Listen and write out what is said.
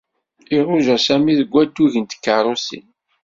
Iṛuja Sami deg waddud n tkeṛṛusin.